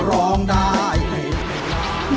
ร้องได้ให้ล้าน